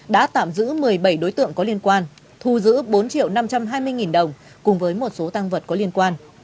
đã tạm giữ một mươi bảy đối tượng có liên quan thu giữ bốn triệu năm trăm hai mươi nghìn đồng cùng với một số tăng vật có liên quan